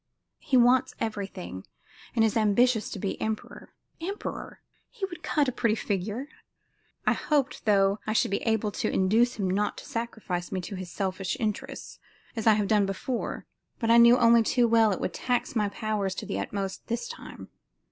He wants everything, and is ambitious to be emperor. Emperor! He would cut a pretty figure! I hoped, though, I should be able to induce him not to sacrifice me to his selfish interests, as I have done before, but I knew only too well it would tax my powers to the utmost this time.